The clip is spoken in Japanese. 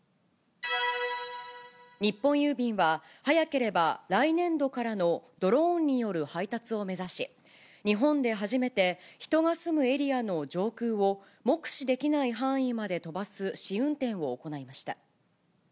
日本郵便は、早ければ来年度からのドローンによる配達を目指し、日本で初めて人が住むエリアの上空を、目視できない範囲まで飛ばす試運転を行いました。